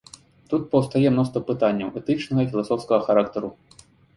Тут паўстае мноства пытанняў этычнага і філасофскага характару.